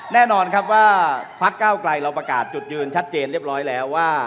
แน่นอนครับว่าพักเก้าไกลเราประกาศจุดยืนชัดเจนเรียบร้อยแล้วว่า